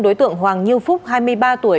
đối tượng hoàng như phúc hai mươi ba tuổi